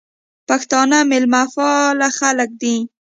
پښتانه مېلمپال خلک دي.